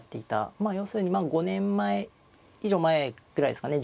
要するに５年以上前ぐらいですかね。